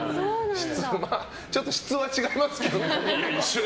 ちょっと質は違いますけど。